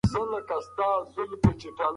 ټولنیز کنټرول د اصولو د پلي کېدو هڅه کوي.